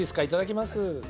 いただきます。